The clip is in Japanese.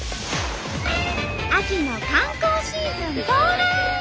秋の観光シーズン到来！